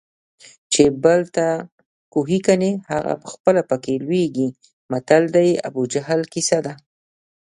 چې بل ته کوهي کني هغه پخپله پکې لویږي متل د ابوجهل کیسه ده